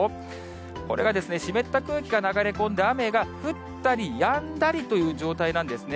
これが湿った空気が流れ込んで、雨が降ったりやんだりという状態なんですね。